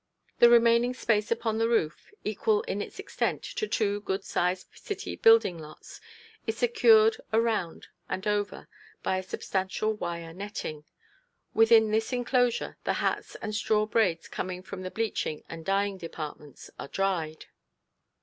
The remaining space upon the roof, equal in its extent to two good sized city building lots, is secured around and over by a substantial wire netting. Within this enclosure the hats and straw braids coming from the bleaching and dyeing departments are dried.